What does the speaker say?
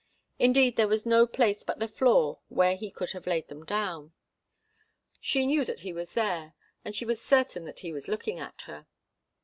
Indeed, there was no place but the floor where he could have laid them down. She knew that he was there, and she was certain that he was looking at her.